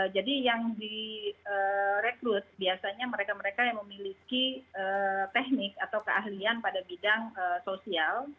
jadi yang direkrut biasanya mereka mereka yang memiliki teknik atau keahlian pada bidang sosial